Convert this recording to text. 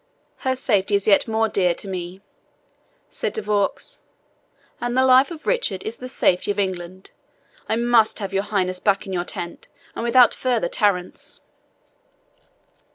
"Her safety is yet more dear to me," said De Vaux, "and the life of Richard is the safety of England. I must have your Highness back to your tent, and that without further tarriance."